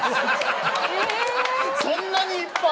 そんなにいっぱいあるの？